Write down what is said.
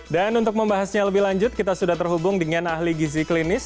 dan untuk membahasnya lebih lanjut kita sudah terhubung dengan ahli gizi klinis